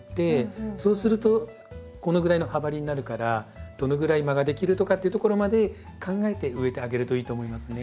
そうするとこのぐらいの葉張りになるからどのぐらい間ができるとかっていうところまで考えて植えてあげるといいと思いますね。